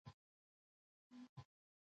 د حرم سرای سياست کې پښتنو نقصان کړی دی.